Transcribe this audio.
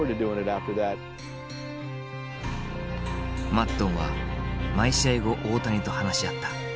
マッドンは毎試合後大谷と話し合った。